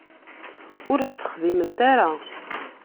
Ur t-texdiment ara.